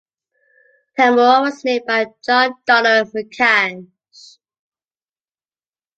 Temora was named by John Donald McCansh.